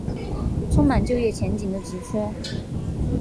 充满就业前景的职缺